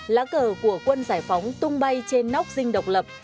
lá cờ của quân giải phóng tung bay trên nóc dinh độc lập